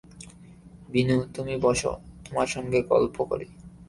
বিনু, তুমি বস, তোমার সঙ্গে গল্প করি।